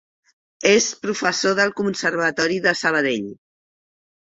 És professor del Conservatori de Sabadell.